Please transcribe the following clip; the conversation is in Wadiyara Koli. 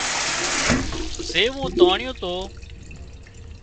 زيوون تانڻيون تو